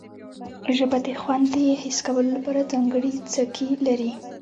ژبه د خوند د حس کولو لپاره ځانګړي څکي لري